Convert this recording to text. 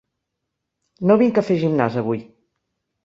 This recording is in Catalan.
No vinc a fer gimnàs, avui.